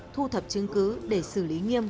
thu thập chứng cứ để xử lý nghiêm